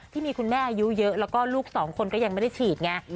ที่มีคุณแม่อายุเยอะแล้วก็ลูกสองคนก็ยังไม่ได้ฉีดไง